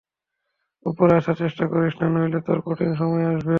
উপরে আসার চেষ্টা করিস না, নইলে তোর কঠিন সময় আসবে।